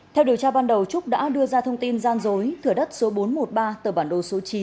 theo điều tra ban đầu trúc đã đưa ra thông tin gian dối thửa đất số bốn trăm một mươi ba tờ bản đồ số chín